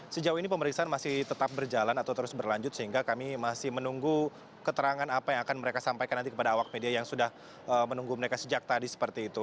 sejauh ini pemeriksaan masih tetap berjalan atau terus berlanjut sehingga kami masih menunggu keterangan apa yang akan mereka sampaikan nanti kepada awak media yang sudah menunggu mereka sejak tadi seperti itu